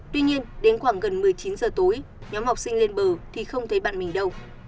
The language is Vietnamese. tuy nhiên đến khoảng gần một mươi chín giờ tối nhóm học sinh lên bờ thì không thấy bạn mình đâu